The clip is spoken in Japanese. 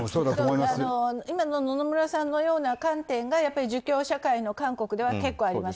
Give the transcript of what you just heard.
今の野々村さんのような観点が儒教社会の韓国では結構あります。